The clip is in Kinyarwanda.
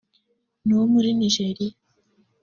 ni Uwo muri Nigeriya